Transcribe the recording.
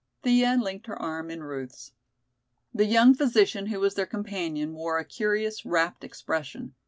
Thea linked her arm in Ruth's. The young physician who was their companion wore a curious, rapt expression.